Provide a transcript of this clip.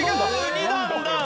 ２段ダウン。